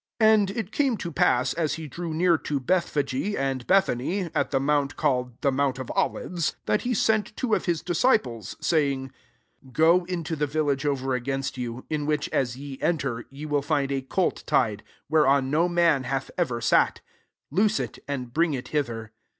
29 And it came to pass, as he drew near to Bethphage and Bethany, at the mount called Uie mount oi Olives, that he sent two of his disciples, SO saying, " Go into the village over against you; in which, as ye enter, ye will iind a colt tied, whereon no man hath ever sat ; loose it, and bring it hither.